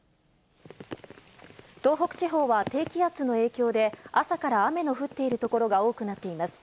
東北地方は低気圧の影響で、朝から雨の降っている所が多くなっています。